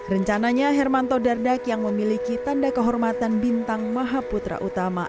rencananya hermanto dardak yang memiliki tanda kehormatan bintang maha putra utama